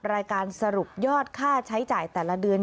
รายการสรุปยอดค่าใช้จ่ายแต่ละเดือน